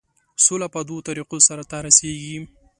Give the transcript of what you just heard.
سوله په دوو طریقو سرته رسیږي.